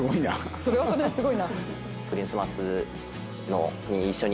それはそれですごいな。